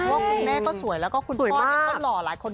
คุณแม่ก็สวยแล้วก็คุณพ่อเนี่ยก็หล่อหลายคน